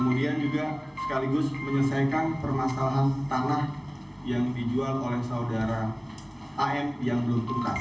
kemudian juga sekaligus menyelesaikan permasalahan tanah yang dijual oleh saudara am yang belum tuntas